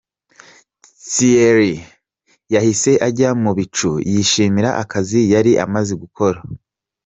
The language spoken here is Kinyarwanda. Thierney yahise ajya mu bicu yishimira akazi yari amaze gukora .